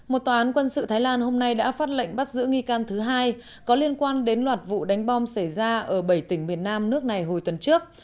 một tòa án quân sự thái lan hôm nay đã phát lệnh bắt giữ nghi can thứ hai có liên quan đến loạt vụ đánh bom xảy ra ở bảy tỉnh miền nam nước này hồi tuần trước